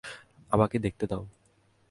আমাকে দেখতে দাও।